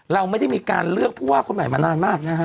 เราไม่ได้มีการเลือกผู้ว่าคนใหม่มานานมากนะฮะ